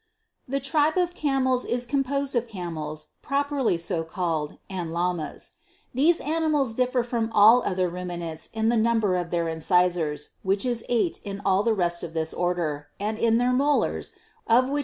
13. The, Tribe of Camels is composed of Camels propely so called, and Lamas. These animals differ from all other Rumin ants in the number of their incisors, which is eight in all the rest of this order, and in their molars, of which we count from twenty 9.